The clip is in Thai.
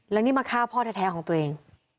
แล้วนี่มาฆ่าพ่อแท้ของตัวเอง